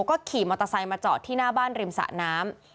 ก็ขี่มอเตอร์ไซค์มาจอดที่หน้าบ้านริมสะน้ำ